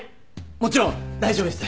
もちろん大丈夫です。